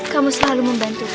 kamu selalu membantu